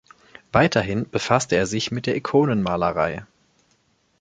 Weiterhin befasste er sich mit der Ikonenmalerei.